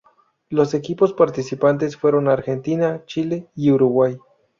Los equipos participantes fueron Argentina, Chile y Uruguay.